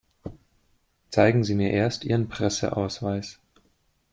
Zeigen Sie mir erst Ihren Presseausweis.